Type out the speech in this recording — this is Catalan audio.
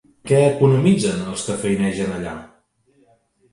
Què economitzen els que feinegen allà?